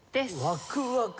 「ワクワク」。